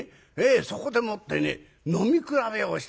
そこでもってね飲み比べをした。